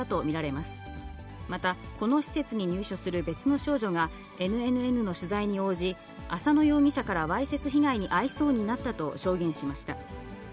また、この施設に入所する別の少女が、ＮＮＮの取材に応じ、浅野容疑者からわいせつ被害に遭いそうになったと証言しました。